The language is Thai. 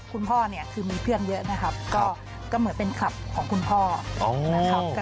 คุณพ่อเนี่ยคือมีเพื่อนเยอะนะครับก็เหมือนเป็นคลับของคุณพ่อนะครับ